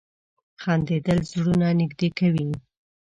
• خندېدل زړونه نږدې کوي.